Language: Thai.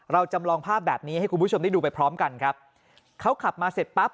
จำลองภาพแบบนี้ให้คุณผู้ชมได้ดูไปพร้อมกันครับเขาขับมาเสร็จปั๊บ